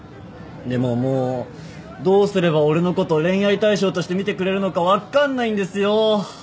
でももうどうすれば俺のこと恋愛対象として見てくれるのか分っかんないんですよ！